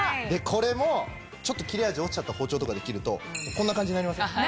これもちょっと切れ味落ちちゃった包丁とかで切るとこんな感じになりません？